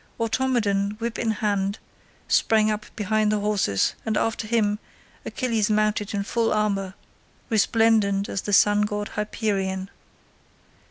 Automedon, whip in hand, sprang up behind the horses, and after him Achilles mounted in full armour, resplendent as the sun god Hyperion.